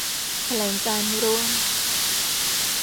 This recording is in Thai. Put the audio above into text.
แถลงการณ์ร่วม